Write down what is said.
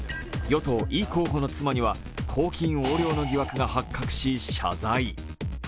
与党・イ候補の妻には公金横領の疑惑が発覚し、謝罪。